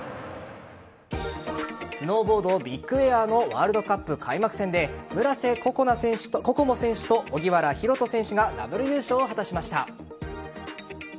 スノーボード・ビッグエアのワールドカップ開幕戦で村瀬心椛選手と荻原大翔選手がダブル優勝を果たしました。